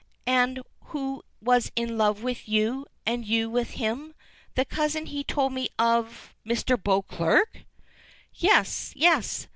And who was in love with you, and you with him. The cousin he told me of " "Mr. Beauclerk?" "Yes yes.